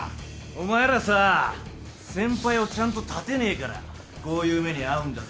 お前らさ先輩をちゃんと立てねえからこういう目に遭うんだぞ。